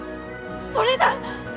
それだ！